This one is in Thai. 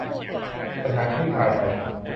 ปัญหาคลี่คลายไป